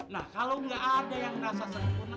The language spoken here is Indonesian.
nah kalau nggak ada yang merasa sempurna